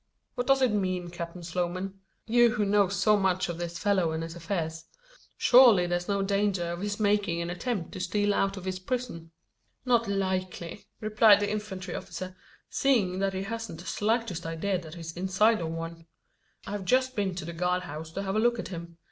What does it mean, Captain Sloman you who know so much of this fellow and his affairs? Surely there's no danger of his making an attempt to steal out of his prison?" "Not likely," replied the infantry officer, "seeing that he hasn't the slightest idea that he's inside of one. I've just been to the guard house to have a look at him.